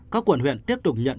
các quận huyện tiếp tục nhận